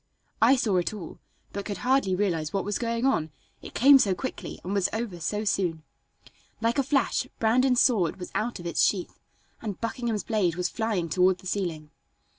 I saw it all, but could hardly realize what was going on, it came so quickly and was over so soon. Like a flash Brandon's sword was out of its sheath, and Buckingham's blade was flying toward the ceiling.